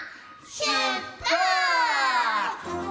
しゅっぱつ！